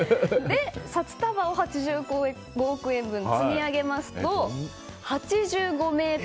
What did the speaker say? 札束を８５億円分積み上げますと積み上げますと、８５ｍ。